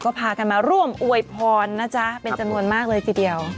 ก็พากันมาร่วมอวยพรนะจ๊ะเป็นจำนวนมากเลยทีเดียว